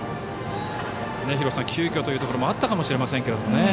急きょというところもあったかもしれませんけど。